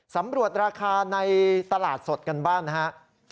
สำรวจราคาในตลาดสดกันบ้างนะครับ